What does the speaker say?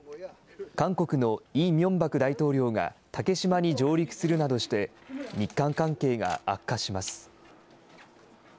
韓国のイ・ミョンバク大統領が竹島に上陸するなどして、日韓関係が悪化します。